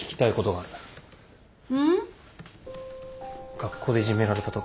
学校でいじめられたとき。